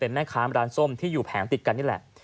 แม่ค้าร้านส้มที่อยู่แผงติดกันนี่แหละ